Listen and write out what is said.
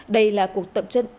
đây là cuộc tập trận